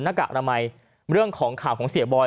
หน้ากากอนามัยเรื่องของข่าวของเสียบอย